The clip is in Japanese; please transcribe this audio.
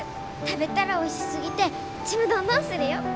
食べたらおいしすぎてちむどんどんするよ！